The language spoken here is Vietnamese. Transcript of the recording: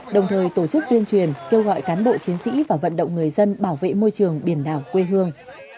đồng thời tổ chức tuyên truyền kêu gọi cán bộ chiến sĩ và vận động người dân bảo vệ môi trường biển đảo quê hương